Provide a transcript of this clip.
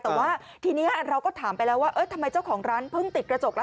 แต่ว่าทีนี้เราก็ถามไปแล้วว่าทำไมเจ้าของร้านเพิ่งติดกระจกแล้ว